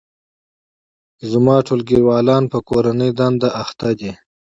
زما ټولګیوالان په کورنۍ دنده بوخت دي